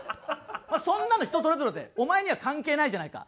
まあそんなの人それぞれでお前には関係ないじゃないか。